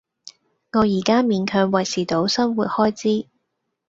我而家勉強維持到生活開支